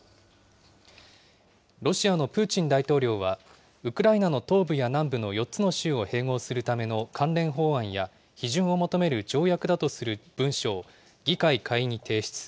ロシアのプーチン大統領は、ウクライナの東部や南部の４つの州を併合するための関連法案や、批准を求める条約だとする文書を議会下院に提出。